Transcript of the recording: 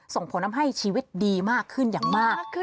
ส่งผลทำให้ชีวิตดีมากขึ้นอย่างมาก